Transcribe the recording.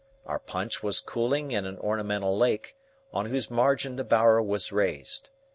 Our punch was cooling in an ornamental lake, on whose margin the bower was raised.